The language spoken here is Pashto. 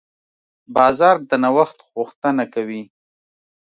بازار د نوښت غوښتنه کوي.